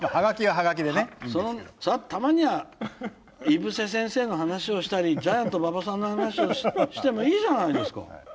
そりゃたまには井伏先生の話をしたりジャイアント馬場さんの話をしてもいいじゃないですか。